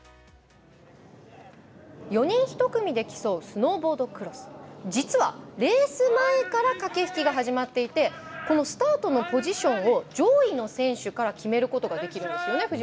４人１組で競うスノーボードクロス実はレース前から駆け引きが始まっていてこのスタートのポジションを上位の選手から決めることができるんですよね